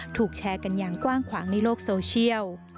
ถูกแชร์กันอย่างกว้างขวางในโลกโซเชียล